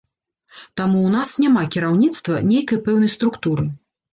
Таму ў нас няма кіраўніцтва, нейкай пэўнай структуры.